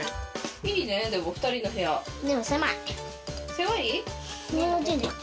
狭い？